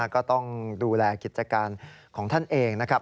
ก็ต้องดูแลกิจการของท่านเองนะครับ